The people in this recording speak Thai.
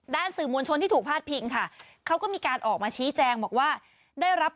สื่อมวลชนที่ถูกพาดพิงค่ะเขาก็มีการออกมาชี้แจงบอกว่าได้รับ